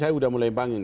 saya sudah mulai bangun